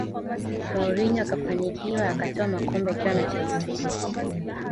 Mourinho akafanikiwa akatwaa makombe akiwa na chelsea